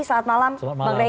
selamat malam bang rey